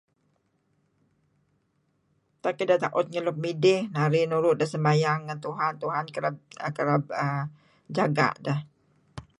Tak ideh taut ngen nuk midih narih nuru' ideh sembayang ngen Tuhanm, Tuhan kereb uhm jaga' deh.